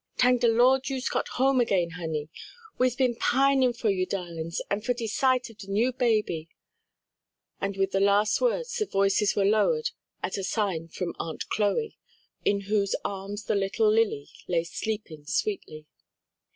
"Tank de Lord you's got home again, honey. We's been pinin' for you darlin's and for de sight of de new baby," and with the last words the voices were lowered at a sign from Aunt Chloe, in whose arms the little Lily lay sleeping sweetly.